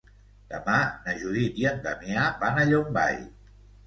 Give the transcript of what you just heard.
Demà na Judit i en Damià van a Llombai.